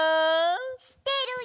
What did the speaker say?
してるよ！